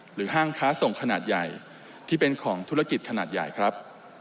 ห้างค้าส่งขนาดใหญ่ที่เป็นของธุรกิจขนาดใหญ่ครับ